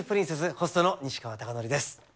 ホストの西川貴教です。